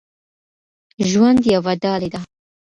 ژوند یوه ډالۍ ده.